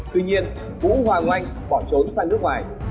tuy nhiên vũ hoàng oanh bỏ trốn sang nước ngoài